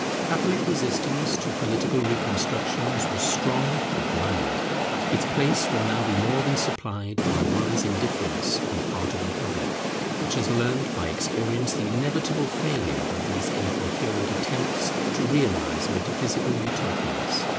Catholic resistance to political reconstructions was strong, but blind: its place will now be more than supplied by wise indifference on the part of the public, which has learnt by experience the inevitable failure of these incoherent attempts to realize metaphysical Utopias.